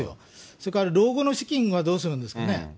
それから老後の資金はどうするんですかね。